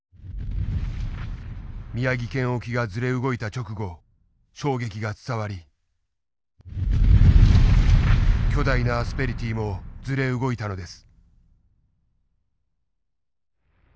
宮城県沖がずれ動いた直後衝撃が伝わり巨大なアスペリティーもずれ動いたのです。